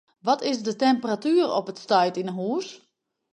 Wat is de temperatuer op it stuit yn 'e hûs?